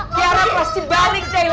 tiara pasti balik tiara